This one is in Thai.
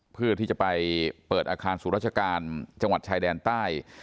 เพื่อที่จะไปเปิดอาคารศูนย์ราชการจังหวัดชายแดนใต้